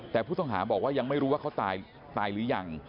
แต่ผู้ต้องหาบอกว่ายังไม่รู้ว่าเขาตายหรือยัง